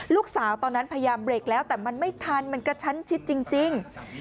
ตอนนั้นพยายามเบรกแล้วแต่มันไม่ทันมันกระชั้นชิดจริง